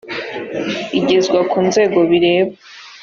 igezwa ku nzego bireba